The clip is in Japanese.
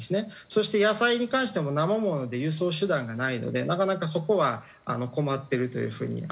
そして野菜に関しても生もので輸送手段がないのでなかなかそこは困ってるという風に困ってます。